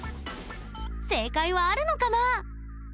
正解はあるのかな？